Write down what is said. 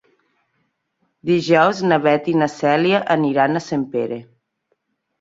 Dijous na Beth i na Cèlia aniran a Sempere.